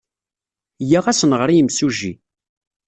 Iyya ad as-nɣer i yimsujji.